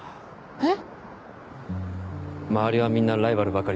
えっ。